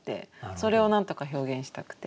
それをなんとか表現したくて。